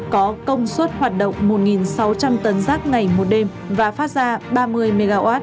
có công suất hoạt động một sáu trăm linh tấn rác ngày một đêm và phát ra ba mươi mw